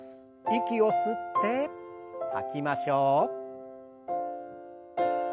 息を吸って吐きましょう。